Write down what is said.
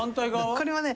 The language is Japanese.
これはね